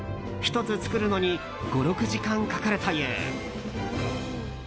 １つ作るのに５６時間かかるという。